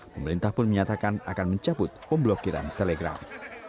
pemerintah pun menyatakan akan mencabut pemblokiran telegram